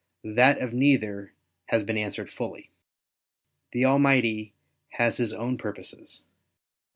That of neither has been answered fully. The Almighty has his own purposes.